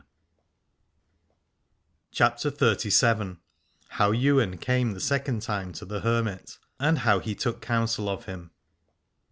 231 CHAPTER XXXVII. HOW YWAIN CAME THE SECOND TIME TO THE HERMIT, AND HOW HE TOOK COUNSEL OF HIM.